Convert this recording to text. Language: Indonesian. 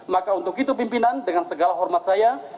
maka untuk itu pimpinan dengan segala hormat saya